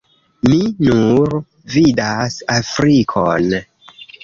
Mi nur vidas Afrikon